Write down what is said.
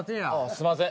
すいません。